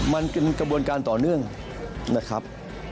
มันเป็นกระบวนการต่อเนื่องนะครับ